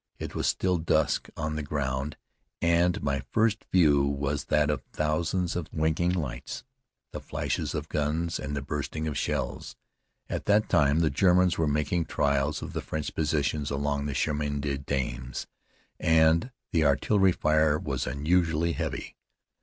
It was still dusk on the ground and my first view was that of thousands of winking lights, the flashes of guns and of bursting shells. At that time the Germans were making trials of the French positions along the Chemin des Dames, and the artillery fire was unusually heavy.